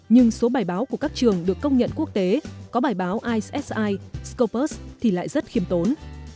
nhưng số bài báo của các trường được công nhận quốc tế có bài báo issi scopus thì lại rất khiêm tốn